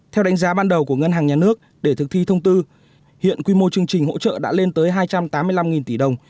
theo đánh giá ban đầu của ngân hàng nhà nước để thực thi thông tư hiện quy mô chương trình hỗ trợ đã lên tới hai trăm tám mươi năm tỷ đồng